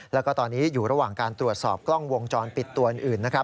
แล้วก็ตอนนี้อยู่ระหว่างการตรวจสอบกล้องวงจรปิดตัวอื่นนะครับ